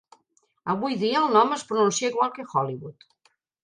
Avui dia, el nom es pronuncia igual que "Hollywood".